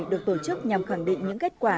được tổ chức nhằm khẳng định những kết quả